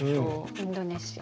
インドネシア。